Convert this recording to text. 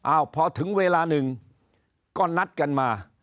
พอถึงเวลาหนึ่งก็นัดกันมา